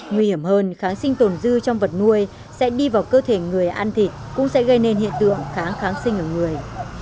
nguy hiểm hơn kháng sinh tồn dư trong vật nuôi sẽ đi vào cơ thể người ăn thịt cũng sẽ gây nên hiện tượng kháng kháng sinh ở người